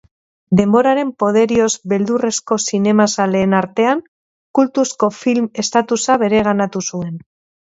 Denboraren poderioz beldurrezko zinemazaleen artean kultuzko film estatusa bereganatu zuen.